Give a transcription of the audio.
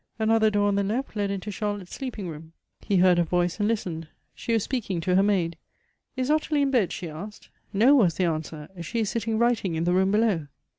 Another door on the left led into Charlotte's sleeping room. He heard her voice, and listened. She was speak ing to her maid. " Is Ottilie in bed ?" she asked. " No," was the answer ;" she is sitting writing in the room below."